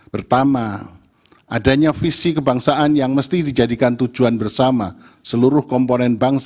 pertama adanya visi kebangsaan yang mesti dijadikan tujuan bersama seluruh komponen bangsa